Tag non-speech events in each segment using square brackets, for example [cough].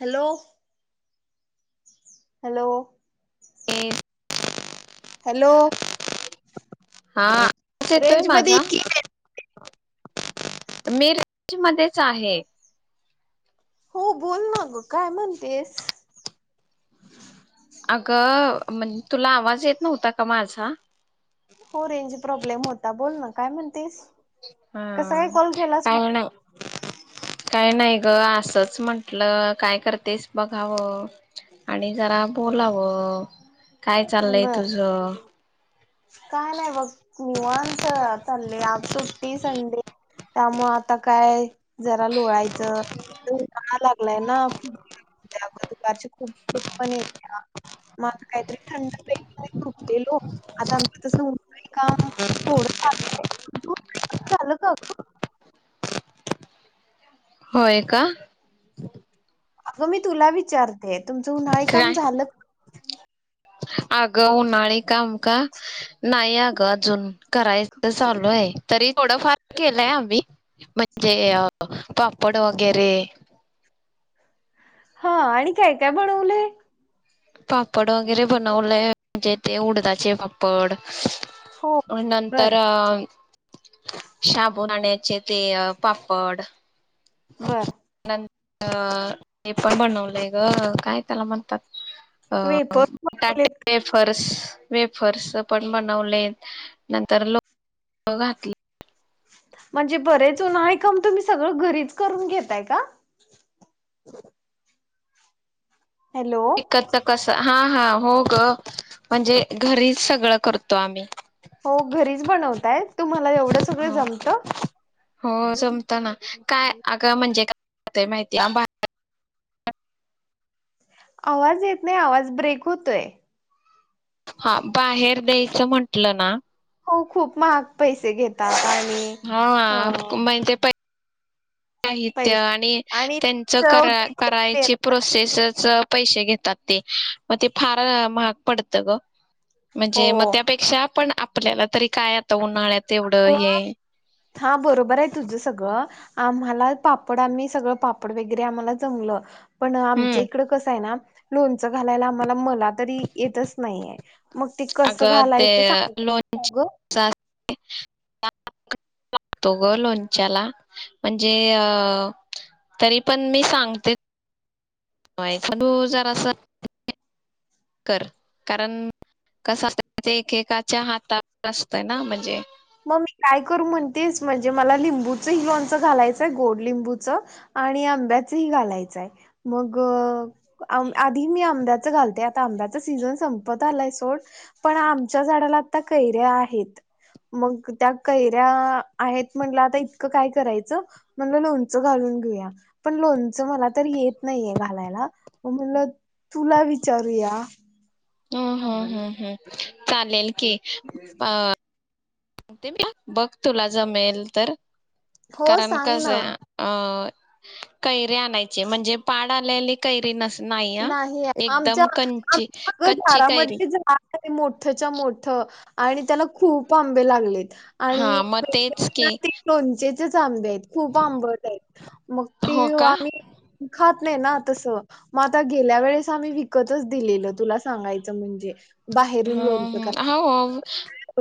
Hello hello [inaudible] hello हां आवाज येतोय रेंज मध्ये ये माझा की मीरज मध्येच आहे. हो. बोल ना गं काय म्हणतेस? अगं म्हण तुला आवाज येत नव्हता का माझा? हो रेंज प्रॉब्लेम होता बोल ना काय म्हणतेस? कसा काय हं कॉल केलास काही नाही काय नाही गं असंच म्हटलं काय करतेस बघावं आणि जरा बोलावं. काय मला चाललयं बर तुझं? काय नाही बघ निवांत चाललंय आज सु्ट्टी - संडे. त्यामुळ आता काय जरा लोळायचं उन्हाळा लागलाय ना, त्यामुळे दुपारची खूप झोप पण येत्या. म आता काहीतरी थंड पेयचे म्हणून उठलेलो आता आमचं तसं उन्हाळी काम थोडं झालंय. तुझं उन्हाळी काम झालं का गं? होय का? अगं, मी तुला विचार ते तुमचं उन्हाळी काम काय झालं अगं, उन्हाळी काम का? नाही अगं अजून. करायचं चालू आहे. तरी थोडं फार केलंय आम्ही. म्हणजे अ पापड वगैरे. हा आणि काय काय बनवलेय? पापड वगैरे बनवलंय म्हणजे - ते उडदाचे पापड हो बर नंतर अं साबुदाण्याचे ते पापड बर. अं हे पण बनवलंय गं, काय त्याला म्हणतात? वेपर अं बनवले बटाटेे वेफर्स. वेफर्स पण बनवलेत, नंतर लोणचं घातलं. [inaudible] म्हणजे बरेच जण आहे काम तुम्ही सगळं घरीच करून घेताय का? हॅलो तिखटचं कस हा हा. हो गं, म्हणजे घरीच सगळं करतो आम्ही. हो घरीच बनवताय, तुम्हाला एवढं सगळं जमतं? हो जमत ना अगं म्हणजे काय काय माहिती आंबा आवाज येत नाही, आवाज ब्रेक होतोय. हा, बाहेर द्यायचं म्हंटलं ना हो खूप महाग पैसे घेतात आणि हा, अ म्हणजे पै साहित्य पैसे आणि आणि त्यांचं चव करा देत नाही करायची प्रोसेसच पैसे घेतात ते, मग ते फार महाग पडत गं. हो म्हणजे मग त्यापेक्षा आपण आप आपल्याला तरी काय आता उन्हाळ्यात एवढं अ हे हा बरोबर आहे तुझं सगळं आम्हाला पापड आम्ही सगळं पापड वगैरे आम्हाला जमलं. पण आमच्या हम्म इकडं कसं आहे ना. लोनच घालायला आम्हाला मला तरी येतच नाहीये. मग ते अग कसं ते घालायचं सांग लोन अग गतो ग लोणच्याला म्हणजे अ तरी पण मी सांगते. तू जर अस कर कारण कसत एकेकाच्या हातावर असतंय ना म्हणजे मग मी काय करू म्हणतेस म्हणजे मला लिंबूचंही लणच घालायचंय गोड लिंबूचं आणि आंब्याचंही घालायचंय मग आधी मी आमदद घाल आ आंब्या सीझन संपत आलाय सोड पण आमच्या झाडाला आता कैर्या आहेत. मग त्या कैऱ्या आहेत म्हणलं आता इतकं काय करायचं म्हणलं लोणचं घालून घेऊया पण लोण मला तरी येत नाहीय घालायला. म म्हणलं तुला विचारूया. ह हा हा हा. चालेल की अ बघ तुला जमेल तर हो कारण सांग कसं ना आहे अं कैरी आणायचे म्हणजे पाड आल्याली कैरी नसते. नाही आमच्या कच्ची कैरी आमगारामध्ये झा मोठच्या मोठ आणि त्याला खूप आंबे लागलेत. हा आणि मग तेच की ते लोणचेचेच आंबे आहेत खूप आंबट आहेत मग ते हो का आम्ही खात नाही ना तस मग आता गेल्या वेळेस आम्ही विकतच दिलेलं तुला सांगायचं म्हणजे बाहेरून लोणचं ह करायला हो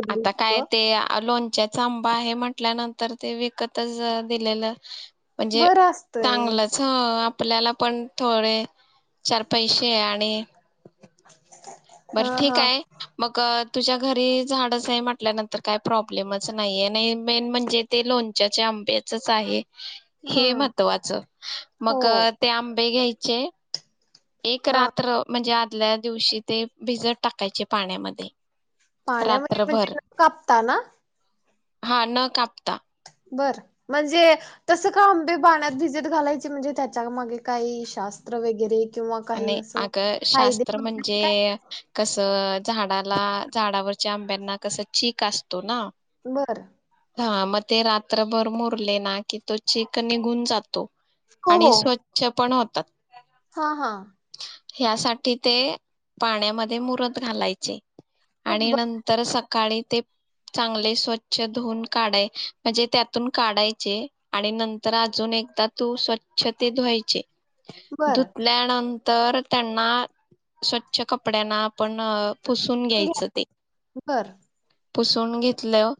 बदलू आता काय इतकं ते लोणच्याच आहे म्हटल्यानंतर ते विकतच दिलेलं. म्हणजे बरं असतंय चांगलंच. आपल्याला पण थोडे चार पैसे आहे आणि बर हा ठीक हा आहे. मग तुझ्या घरी झाडच आहे म्हटल्यानंतर काय प्रॉब्लेमच नाहीये आणि मेन म्हणजे ते लोणच्याच्या आंब्याचच आहे. हा हे महत्त्वाचं हो मग ते आंबे येईल. जे एक हा रात्र म्हणजे आ मल्या दिवशी ते भिजत टाकायचे पाण्यामध्ये पाण्यामध्ये रात्रभर म्हणजे कापता ना. हा न कापता. बर म्हणजे तसं का आंबे पाण्यात भिजत घालायचे म्हणजे त्याच्या मागे काही शास्त्र वगैरे. किंवा काही आणि असं आग, फायदे शास्त्र तोटे काय म्हणजे कस अ झाडाला झाडावरच्या आंब्यांना कसं चीक असतो ना. बर. ह मग ते रात्रभर मुरले, ना की तो चिक निघून जातो. हो आणि हो स्वच्छ पण होत त हा हा. ह्यासाठी ते पाण्यामध्ये मुरत घालायचे. आणि बर नंतर सका काळी ते चांगले स्वच्छ धून न काढायचे, म्हणजे त्यातून काढायचे आणि नंतर अजून एकदा तू स्वच्छ ते धुवायचे. धुतल्या नंत तर त्यांना स्वच्छ कपड्यांना आपण पुसून घ्यायचं ते. बर पुसून घेतल्याव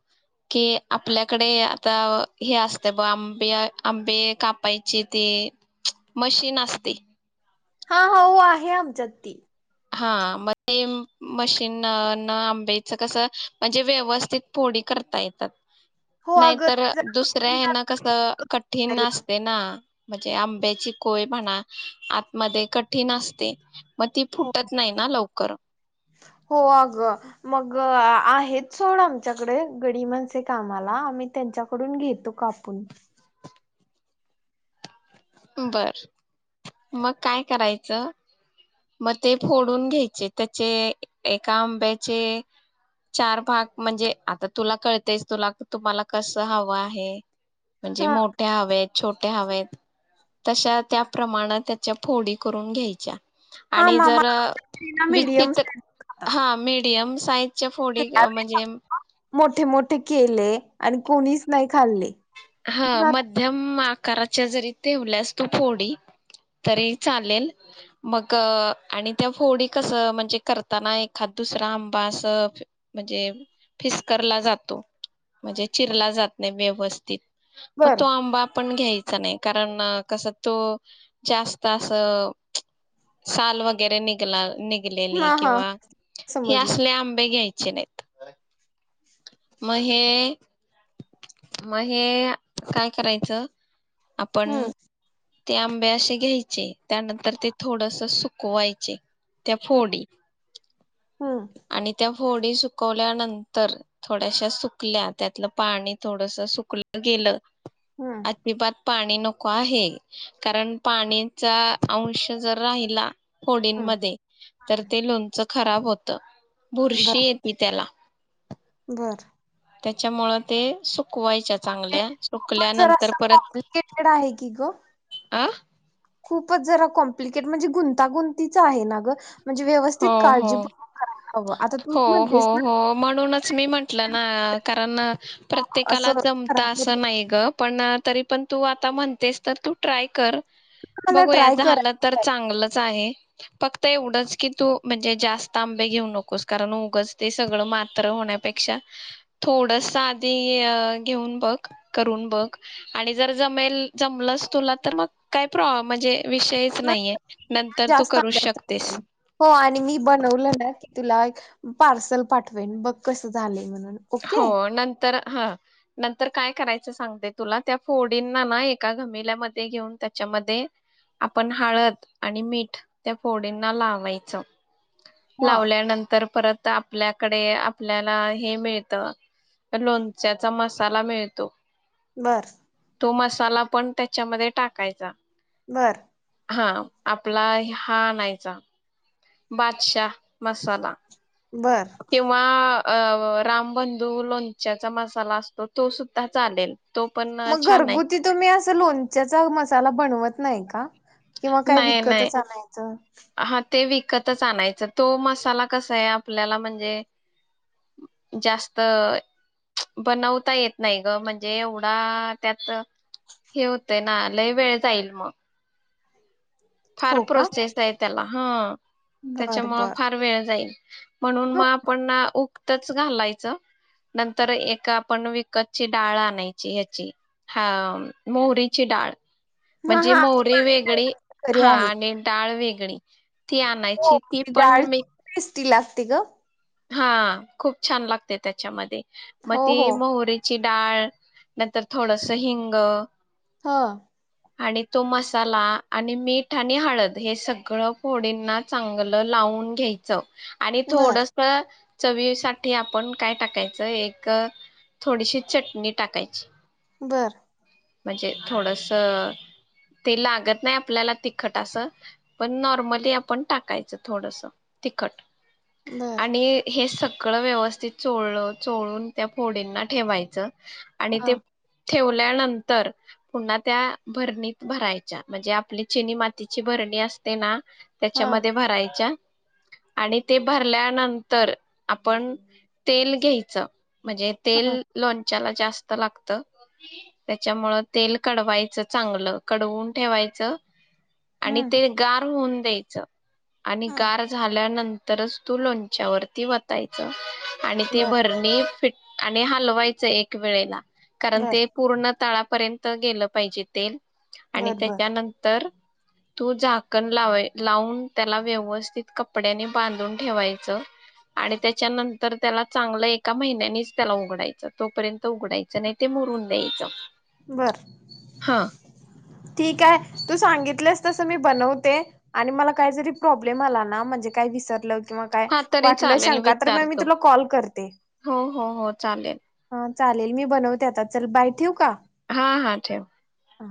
कि आपल्याकडे आता हे असते ब आंबे आंबे कापायची ती मशीन असते. हा हा हो आहे आमच्यात ती, हा मग ते मशीन, न आंब्याच कसं म्हणजे व्यवस्थित फोडी करता येतात. हो अगं नाहीतर ते जरा दुसऱ्या कठीण हेन जातं कस ना कठीण करायला. असते ना. म्हणजे आंब्याची कोय म्हणा आतमध्ये कठीण असते म हो हो आगं मग आहेत सोड आमच्याकडे, गडी माणसे कामाला आम्ही त्यांच्याकडून घेतो कापून. बर, मग काय करायचं मग ते फोडून घ्यायचे त्याचे एका आंब्याचे चार भाग म्हणजे, आता तुला कळतयचं तुला तुम्हाला कस हवं आहे. म्हणजे हा मोठ्या हवेत. छोटे हवेत. तशा त्या प्रमाणात त्याच्या फोडी करून घ्यायच्या. हा आणि मामा जर मीडियम [unintelligible] हा मिडीयम [unintelligible] च्या फोडी साईज म्हणजे मोठे मोठे केले, आणि कोणीच नाही खाल्ले. हा मध्यम आ कराच्या जरी ठेवल्यास तू फोडी, तरी चालेल मग आणि त्या फोडी कसं म्हणजे करताना एखाद दुसरा आंबा अस, म्हणजे फिसकरला जातो म्हणजे चिरला जात नाही व्यवस्थित. म बर तो आंबा. पण घ्यायचा नाही, कारण कस तो जास्त अस साल वगैरे निघला नि किडलेली हा हा किंवा हे समजलं असले आंबे घ्यायचे. चीनेत, म हे म हे काय करायचं? आपण, हम्म ते आंबे असे घ्यायचे, त्यानंतर ते थोडंसं सुकवायचे. त्या हम्म फोडी. हम्म आणि तोव थोडी सुकवल्यानंतर, थोड्याशा सुकल्या, त्यातलं पाणी थोडंसं सुकलं गेलं हम्म आती पात पाणी नको आहे. कारण पाणीचा अंश जर राहिला. हम्म फोडींमध्ये, तर ते लोणचं. खराब होत् तं बुरशी येते त्याला. घर त्याच्यामूळं ते सुक कवायच्या ते चांगल्या. खूपच जरा सुकल्यानंतर असं परत, कॉम्प्लिकेटेड आहे की ग आं खूपच जरा कॉम्प्लिकेट म्हणजे गुंतागुंतीच आहे ना गं. म्हणजे व्यवस्थित काळजी पूर्वक करा. हो-हो-हो म्हणूनच मी म्हंटलं ना कारण प्रत्येकाला असं जमतं खराब होत असं नाही ग, पण तरी पण तू आता म्हणतेस तर तू ट्राय कर. मला बघू या ट्राय झालं तर करायचं आहे. चांगलंच आहे. फक्त एवढंच की तू म्हणजे जास्त आं लई घेऊ नकोस. कारण उगच ते सगळ मात्रं होण्यापेक्षा, थोडंसं आधी घेऊन बघ करून बघ. आणि जर जमेल जमलस तुला तर मग काय प्राॅ म्हजे विषयच नाहीये, नंतर तू जास्त करू आंब्याच शकतेस. हो आणि मी बनवलं ना की तुला एक पार्सल पाठवेन, बघ कस झालंय म्हणून. हो, ओके नंतर हां, नंतर काय करायचं सांगते तुला, त्या फोडींना ना एका घमिल्यामध्ये घेऊन त्याच्यामध्ये आपण हळद आणि मीठ त्या फोडींना लावायचं. हा लावल्यानंतर परत त आपल्याकडे आपल्याला हे मिळ त, त लोणच्याचा मसाला मिळतो. बर तो मसाला पण त्याच्यामध्ये टाकायचा. बर हां, आपला हा आणायचा. बादशा मसाला. बर कींव्वा अ रामबंधू लोणच्याचा मसाला असतो तो सुद्धा चालेल. तो पण मग छान आहे घरगुती तुम्ही असं लोणच्याचा मसा त्याला बनवत नाही का? किंवा काय नाही नाही विकतच आणायचं? हा ते विकतच आणायचं. तो मसाला कस आहे आपल्याला म्हणजे जास्त बनवता येत नाही ग. म्हणजे एवढा त्यात हे होतंय ना, लय वेळ जाईल मग. फार हो का प्रोसेस आहेत त्याला हं. बर त्यांच्यामुळ बर फार वेळ जाईल. म्हणून ह मग आपण ना ऊ त्याच घालायचं नंतर एक आपण विकतची डाळ आणायची ह्याची हा मोहरीची डाळ हा म्हणजे हा ती मोहरी माहित आहे वेगळी आमच्या घरी हा आहे आणि डाळ वेगळी ती हो आणायची. ती पण मीक ती असती गं? हा खूप छान लागते त्याच्यामध्ये मग हो ती हो मोहरीची डाळ नंतर थोडंसं हिंग हा. आणि तो मसाला आणि मीठ आणि हळद हे सगळं फोडींना चांगलं लावून घ्यायचं. आणि बर थोडंस चवीसाठी आपण काय टाकायचं, एक थोडीशी चटणी टाकायची. बरं. म्हणजे थोडस ते लागत नाही आपल्याला तिखट असं, पण नॉर्मली आपण टाकायचं थोडस तिखट. बर आणि हे सग सगळं व्यवस्थित चोळल चोळून त्या फोडीना ठेवायचं. आणि हा ते ठेवल्या नं तर पुन्हा त्या भरणीत भरायच्या. म्हणजे आपली चिनी मातीची भरणी असते ना हा त्याच्यामध्ये भरायच्या. आणि ते भरल्यानंतर आपण तेल घ्यायचं म्हणजे हा तेल लोणच्याला जास्त लागतं. त्यांच्यामुळ तेल कडवायचं चांगलं कडवून ठेवायचं. आणि हम्म ते गारहून तेच आणि हम्म गार झाल्यानंत तरच तू लोणच्यावरती वतायच आणि ते बर भरणी फिट आणि हलवायचं एक कारण बर ते पूर्ण तळापर्यंत गेलं पाहिजे तेल आणि बर बर त्याच्यानंतर तू झाकण लाऊन लावून त्याला व्यवस्थित कपड्याने बांधून ठेवायचं आणि त्याच्यानंतर त्याला चांगलं एका महिन्यानेच त्याला उघडायचं तोपर्यंत उघडायचं नाही ते मुरून द्यायचं बर हा ठीक आहे तू सांगितलंस तस मी बनवते आणि मला काही जरी प्रॉब्लेम आला ना म्हणजे काय विसरलं मग काय हा तरी वाटलं चालेल शंका तर मी विचारतो तुला कॉल करते हो हो हो चालेल ह चालेल मी बनवते आता चल बाय ठेऊ का हा, हा ठेव हा